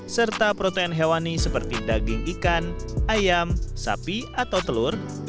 serta protein hewani seperti daging ikan ayam sapi atau telur